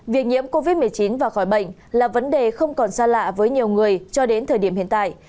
việc nhiễm covid một mươi chín và khỏi bệnh là vấn đề không còn xa lạ với nhiều người cho đến thời điểm hiện tại